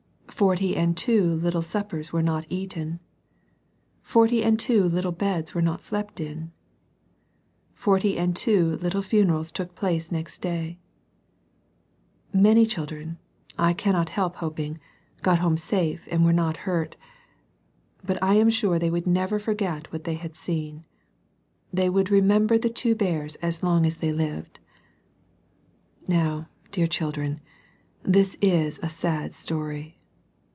Forty and two little suppers were not eaten ! Forty and two Httle beds were not slept in ! Forty and two little funerals took place next day ! Many children, I cannot help hoping, got home safe, and were not hurt But I am sure they would never forget what they had seen. They would remember the two bears as long as they lived. Now, dear children, this is a sad story.